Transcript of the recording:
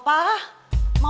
mama udah pulang tau